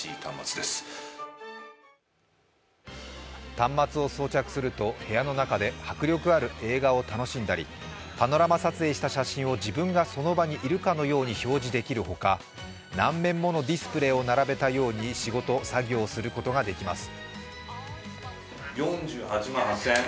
端末を装着すると部屋の中で迫力ある映画を楽しんだりパノラマ撮影した写真を自分がまるでその場にいるかのように表示できるほか、何面ものディスプレーを並べたように仕事、作業をすることができます。